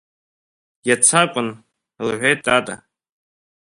Иац акәын, – лҳәеит Тата.